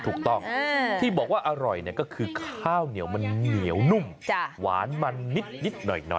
ถูกต้องที่บอกว่าอร่อยก็คือข้าวเหนียวมันเหนียวนุ่มหวานมันนิดหน่อย